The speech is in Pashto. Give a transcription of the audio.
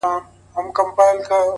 نن به ښکلي ستا په نوم سي ګودرونه-